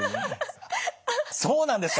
そうなんですか。